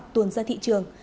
hoặc tuồn ra thị trường